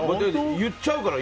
言っちゃうかな。